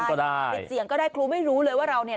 ก็ได้ติดเสียงก็ได้ครูไม่รู้เลยว่าเราเนี่ย